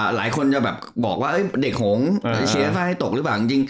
หลายคนนักฐานต้องแบบว่าแบบดว่าเด็กหงษ์เฉยเชียร์ให้ตกหรือเปล่า